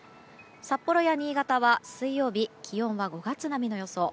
札幌や新潟は水曜日気温は５月並みの予想。